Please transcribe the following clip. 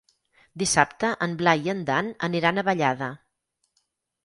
Dissabte en Blai i en Dan aniran a Vallada.